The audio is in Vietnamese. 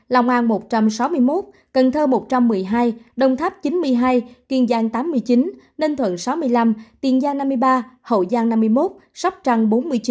lòng an một trăm sáu mươi một cần thơ một trăm một mươi hai đồng tháp chín mươi hai kiên giang tám mươi chín ninh thuận sáu mươi năm tiền giang năm mươi ba hậu giang năm mươi một sóc trăng bốn mươi chín